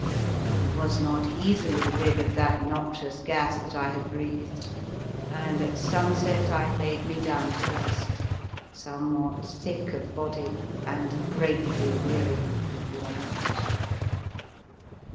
I was not easily rid of the 67 The Fearsome Island noxious gas that I had breathed, and at sunset I laid me down to rest, some what sick of body and greatly weary and worn out.